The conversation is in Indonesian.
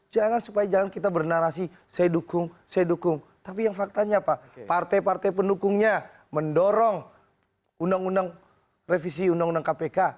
jangan supaya jangan kita bernarasi saya dukung saya dukung tapi yang faktanya apa partai partai pendukungnya mendorong undang undang revisi undang undang kpk